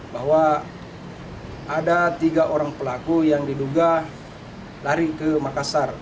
bahwa ada tiga orang pelaku yang diduga lari ke makassar